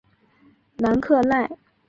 南克赖。